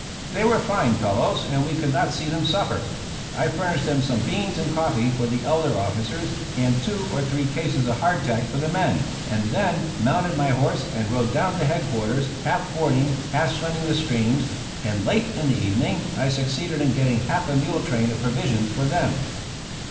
They were fine fellows and we could not see them suffer. I furnished them some beans and coffee for the elder officers and two or three cases of hardtack for the men, and then mounted my horse and rode down to head quarters, half fording, half swimming the streams; and late in the evening I succeeded in getting half a mule train of provisions for them.